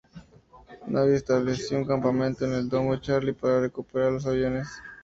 Navy estableció un campamento en el domo Charlie para recuperar los aviones.